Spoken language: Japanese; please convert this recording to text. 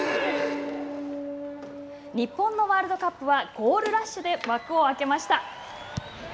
日本のワールドカップはゴールラッシュで幕を開けました。